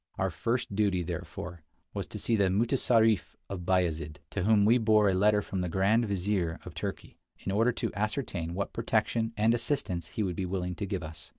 Our first duty, therefore, was to see the mutessarif of Bayazid, to whom we bore a letter from the Grand Vizir of Turkey, in order to ascertain what protection and assistance he would be willing to give us.